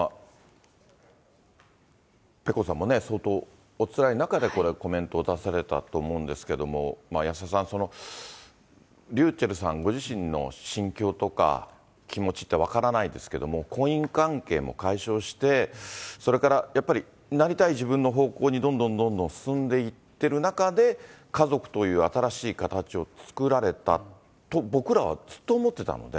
ペコさんもね、相当おつらい中で、コメントを出されたと思うんですけど、安田さん、ｒｙｕｃｈｅｌｌさんご自身の心境とか、気持ちって分からないですけども、婚姻関係も解消して、それからやっぱりなりたい自分の方向にどんどんどんどん進んでいってる中で、家族という新しい形を作られたと、僕らはずっと思ってたので。